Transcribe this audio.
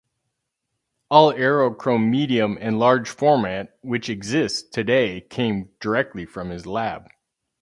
All Aerochrome medium and large format which exists today came directly from his lab.